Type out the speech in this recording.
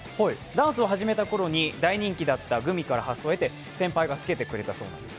ダンスを始めたころに大人気だったグミから発想を得て先輩がつけてくれたそうなんです。